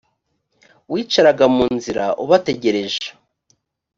wicaraga ku nzira ubategereje